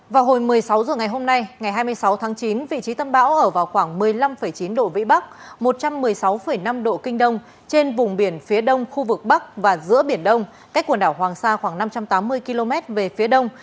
vào hồi một mươi sáu h ngày hôm nay ngày hai mươi sáu tháng chín vị trí tâm bão ở vào khoảng một mươi năm chín độ vĩ bắc một trăm một mươi sáu năm độ kinh đông trên vùng biển phía đông khu vực bắc và giữa biển đông cách quần đảo hoàng sa khoảng năm trăm tám mươi km về phía đông